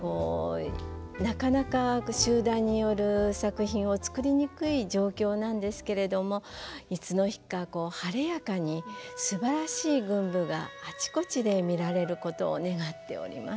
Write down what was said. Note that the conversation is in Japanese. なかなか集団による作品を作りにくい状況なんですけれどもいつの日かこう晴れやかにすばらしい群舞があちこちで見られることを願っております。